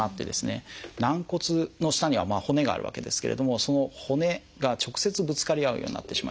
軟骨の下には骨があるわけですけれどもその骨が直接ぶつかり合うようになってしまいます。